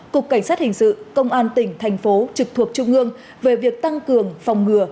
cục cảnh sát hình sự công an tỉnh thành phố trực thuộc trung ương về việc tăng cường phòng ngừa